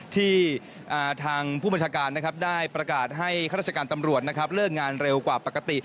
ที่ทางผู้บัญชาการได้ประกาศให้คุณภาษาการตำรวจเลิกงานเร็วกว่าปกติ